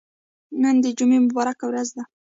نن د جمعه مبارکه ورځ ده.